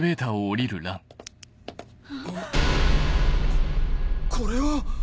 ここれは！